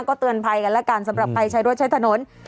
ก็เตือนภัยกันแล้วกันสำหรับใครใช้รถใช้ถนน